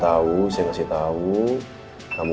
tapi aku gak mau ngasih tau kamu